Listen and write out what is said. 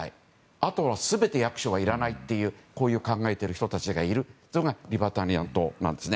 あとは全て役所はいらないと考えてる人たちがいるのがそれがリバタリアン党なんです。